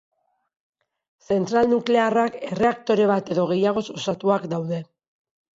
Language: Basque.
Zentral nuklearrak erreaktore bat edo gehiagoz osatuak daude.